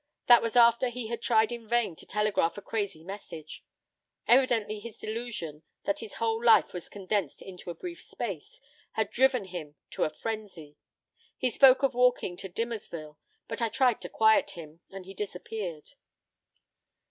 That was after he had tried in vain to telegraph a crazy message. Evidently his delusion, that his whole life was condensed into a brief space, had driven him to a frenzy. He spoke of walking to Dimmersville, but I tried to quiet him, and he disappeared."